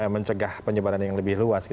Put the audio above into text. mencegah penyebaran yang lebih luas